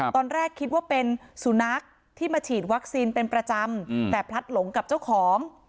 ตอนแรกคิดว่าเป็นสุนัขที่มาฉีดวัคซีนเป็นประจำแต่พลัดหลงกับเจ้าของ